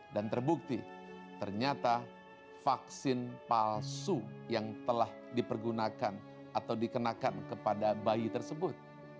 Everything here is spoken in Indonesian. dan terbukti ternyata vaksin palsu yang telah dipergunakan atau dikenakan kepada bayi tersebut